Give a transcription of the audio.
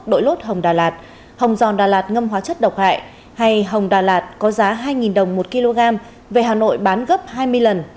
đội lốt hồng đà lạt hồng giòn đà lạt ngâm hóa chất độc hại hay hồng đà lạt có giá hai đồng một kg về hà nội bán gấp hai mươi lần